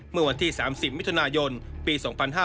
เมื่อวันที่๓๐มิถุนายนปี๒๕๕๙